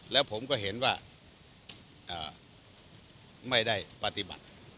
แล้วผมก็เห็นว่าไม่ได้ปฏิบัติ